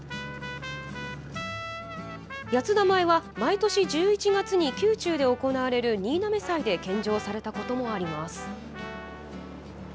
谷津田米は毎年１１月に宮中で行われる新嘗祭で献上されたこともあります。